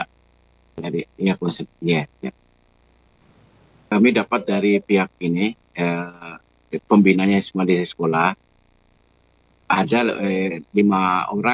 kami mohon kepada kapolri dan pak presiden jokowi widodo